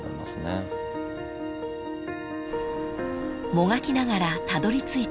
［もがきながらたどり着いた］